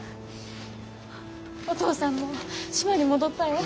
お父さんも島に戻ったよ。